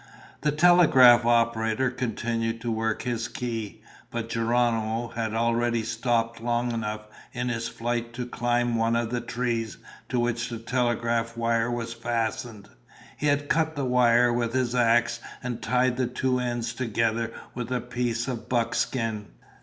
The telegraph operator continued to work his key. But Geronimo had already stopped long enough in his flight to climb one of the trees to which the telegraph wire was fastened. He had cut the wire with his axe and tied the two ends together with a piece of buckskin.